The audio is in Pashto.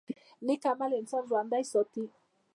نیک عمل انسان ژوندی ساتي